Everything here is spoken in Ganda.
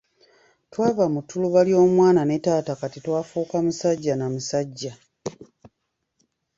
Twava mu ttuluba ly'omwana ne taata kati twafuuka musajja na musajja.